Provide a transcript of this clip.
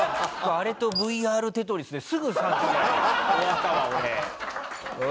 あれと『ＶＲテトリス』ですぐ３０代終わったわ俺。